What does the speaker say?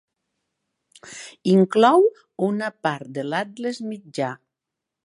Inclou una part de l'Atles Mitjà.